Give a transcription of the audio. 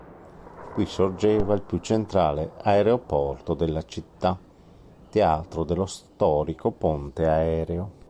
Qui sorgeva il più centrale aeroporto della città, teatro dello storico ponte aereo.